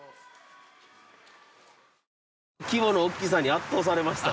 規模の大きさに圧倒されました。